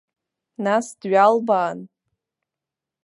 Нас дҩалбаан.